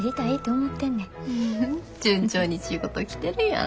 順調に仕事来てるやん。